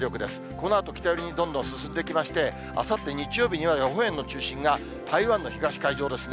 このあと北寄りにどんどん進んできまして、あさって日曜日には、予報円の中心が台湾の東海上ですね。